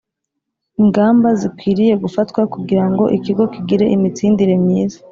ingamba zikwiriye gufatwa kugira ngo ikigo kigire imitsindire myiza